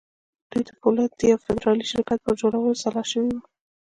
دوی د پولادو د يوه فدرالي شرکت پر جوړولو سلا شوي وو.